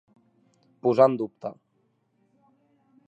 Posar en dubte.